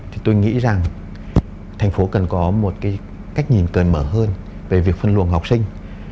thì tôi nghĩ rằng thành phố cần có một cái cách nhìn cởi mở hơn về việc phân luồng học sinh